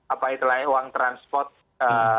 apa itu lagi uang transisional